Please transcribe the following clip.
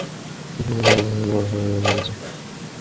কোনভাবে সব দায়িত্বভার মাথা থেকে নেমে গেছে।